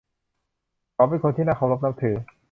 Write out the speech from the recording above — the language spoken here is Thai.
เขาเป็นคนที่น่าเคารพนับถือ